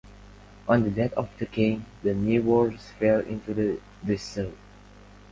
On the death of the king, the new words fell into disuse.